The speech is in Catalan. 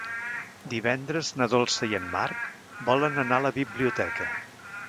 Divendres na Dolça i en Marc volen anar a la biblioteca.